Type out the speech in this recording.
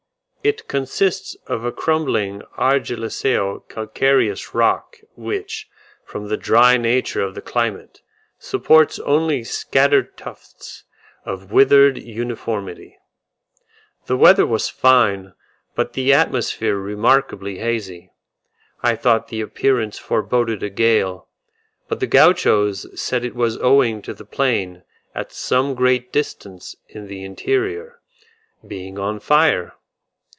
It consists of a crumbling argillaceo calcareous rock, which, from the dry nature of the climate, supports only scattered tufts of withered grass, without a single bush or tree to break the monotonous uniformity. The weather was fine, but the atmosphere remarkably hazy; I thought the appearance foreboded a gale, but the Gauchos said it was owing to the plain, at some great distance in the interior, being on fire.